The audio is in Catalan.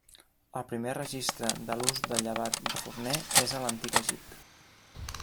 El primer registre de l'ús de llevat de forner és a l'Antic Egipte.